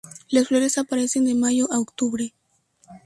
Las flores aparecen de mayo a octubre.